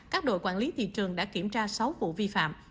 các đội quản lý thị trường đã kiểm tra sáu vụ vi phạm